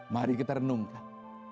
mari kita renungkan